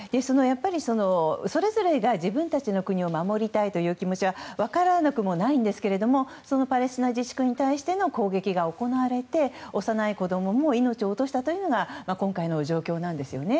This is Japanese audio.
それぞれが自分たちの国を守りたいという気持ちは分からなくもないんですがパレスチナ自治区に対しての攻撃が行われて、幼い子供も命を落としたというのが今回の状況なんですよね。